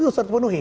itu harus dipenuhi